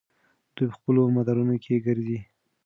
دوی په خپلو مدارونو کې ګرځي.